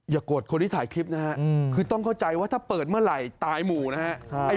โกรธคนที่ถ่ายคลิปนะฮะคือต้องเข้าใจว่าถ้าเปิดเมื่อไหร่ตายหมู่นะฮะ